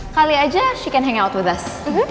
kali aja dia bisa hangout with us